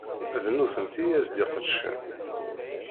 D nutenti i as-d-iqedcen.